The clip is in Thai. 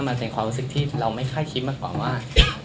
มันเป็นความรู้สึกที่เราไม่คาดคิดมากกว่าว่า